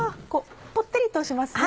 ぽってりとしますね。